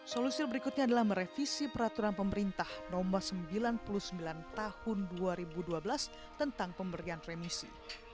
solusi berikutnya adalah merevisi peraturan pemerintah nomor sembilan puluh sembilan tahun dua ribu dua belas tentang pemberian remisi